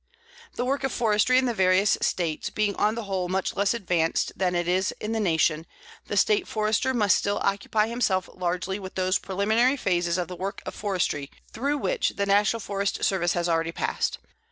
The work of forestry in the various States being on the whole much less advanced than it is in the Nation, the State Forester must still occupy himself largely with those preliminary phases of the work of forestry through which the National Forest Service has already passed.